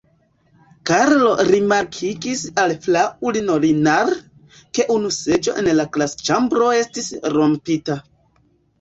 Karlo rimarkigis al Fraŭlino Linar, ke unu seĝo en la klasĉambro estas rompita.